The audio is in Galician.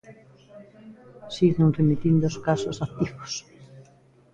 Seguen remitindo os casos activos.